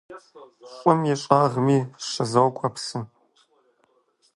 ЩӀым и щӀагъми щызокӀуэ псы.